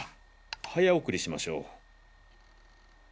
早送りしましょう。